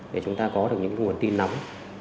để chúng ta có được những nguồn tin nóng